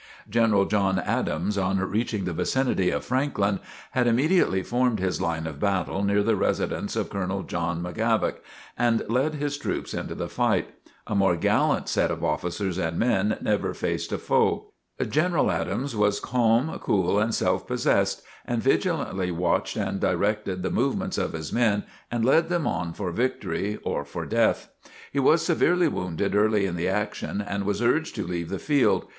General John Adams, on reaching the vicinity of Franklin, had immediately formed his line of battle near the residence of Colonel John McGavock and led his troops into the fight. A more gallant set of officers and men never faced a foe. General Adams was calm, cool and self possessed and vigilantly watched and directed the movements of his men and led them on for victory or for death. He was severely wounded early in the action and was urged to leave the field.